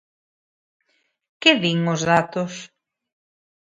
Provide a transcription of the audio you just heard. Que din os datos?